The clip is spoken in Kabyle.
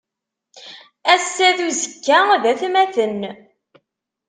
Ass-a d uzekka d atmaten.